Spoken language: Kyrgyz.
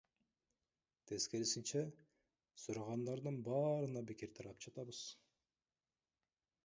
Тескерисинче, сурагандардын баарына бекер таратып атабыз.